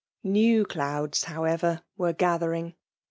Itew clouds, however, were gather rng.